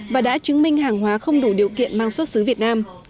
và đã chứng minh hàng hóa không đủ điều kiện mang xuất xứ việt nam